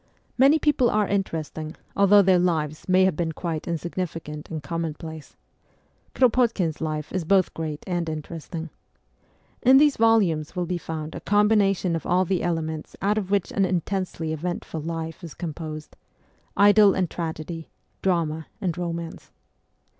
Many people are interesting, although their lives may have been quite insignificant and commonplace. Kro potkin's life is both great and interesting. In these volumes will be found a combination of all the elements out of which an intensely eventful life is composed idyll and tragedy, drama and romance.